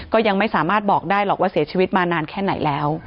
ก็ยังไม่สามารถบอกได้หรอกว่าเสียชีวิตมานานแค่ไหนแล้ว